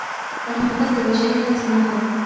پرمختګ د بشري هڅو نښه ده.